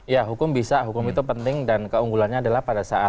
ya hukum bisa hukum itu penting dan keunggulannya adalah pada saat